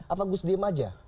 apa gus diam saja